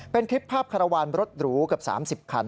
เป็นคลิปภาพข้ารวรรด์รถหรูกับ๓๐คัน